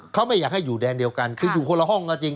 เขาไม่อยากให้อยู่แดนเดียวกันคืออยู่คนละห้องก็จริง